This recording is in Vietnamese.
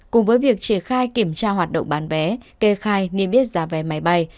cùng với việc triệt khai kiểm tra hoạt động bán vé kê khai niêm biết giá vé máy bay